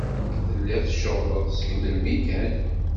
Tellid tceɣled seg melmi kan?